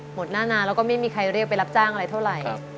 หมดหน้านานแล้วก็ไม่มีใครเรียกไปรับจ้างอะไรเท่าไหร่